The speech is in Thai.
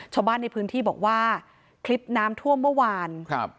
ชาวบ้านในพื้นที่บอกว่าคลิปน้ำท่วมเมื่อวานครับ